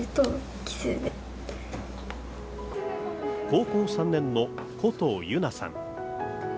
高校３年の古藤優菜さん。